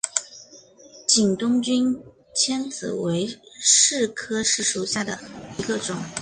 景东君迁子为柿科柿属下的一个种。